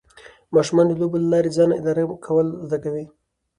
ماشومان د لوبو له لارې ځان اداره کول زده کوي.